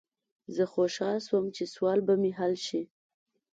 زه خوشحاله شوم چې سوال به مې حل شي.